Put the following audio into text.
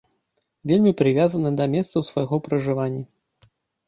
Вельмі прывязаны да месцаў свайго пражывання.